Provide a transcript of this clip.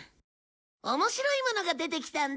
面白いものが出てきたんだ。